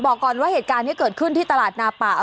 บอกก่อนว่าเหตุการณ์นี้เกิดขึ้นที่ตลาดนาป่า